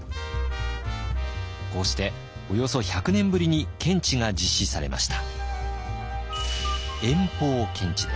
こうしておよそ１００年ぶりに検地が実施されました。